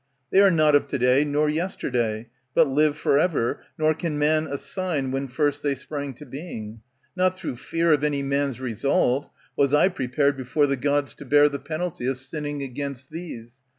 They are not of to day nor yesterday, But live for ever, nor can man assign When first they sprang to being. Not through fear rOf any man's resolve was I prepared I I Before the Gods to bear the penalty jOf sinning against these.